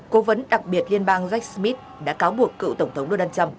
cố vấn đặc biệt liên bang jack smith đã cáo buộc cựu tổng thống donald trump